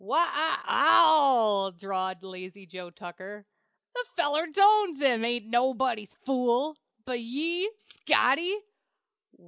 "W a a l;" drawled lazy Joe Tucker, "the feller 't owns him ain't nobody's fool. Be ye, Scotty?"